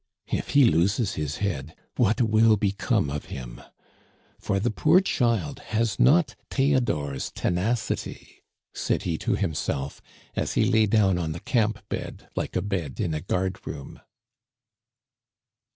"If he loses his head, what will become of him? for the poor child has not Theodore's tenacity," said he to himself, as he lay down on the camp bed like a bed in a guard room.